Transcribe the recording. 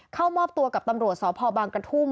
เข้ามอบตัวกับตำรวจสพบางกระทุ่ม